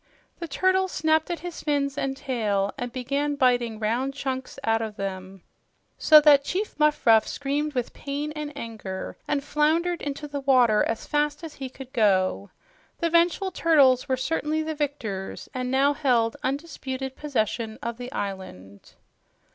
The turtles snapped at his fins and tail and began biting round chunks out of them so that Chief Muffruff screamed with pain and anger and floundered into the water as fast as he could go. The vengeful turtles were certainly the victors, and now held undisputed possession of the island.